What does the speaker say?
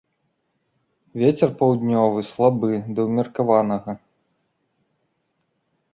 Вецер паўднёвы слабы да ўмеркаванага.